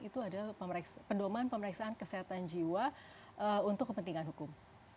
itu adalah pedoman pemeriksaan kesehatan jiwa untuk kepentingan hukum